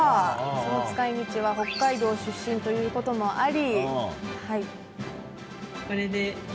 その使い道は北海道出身ということもあり。